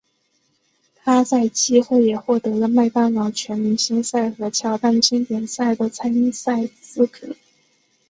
他在季后也获得了麦当劳全明星赛和乔丹经典赛的参赛资格。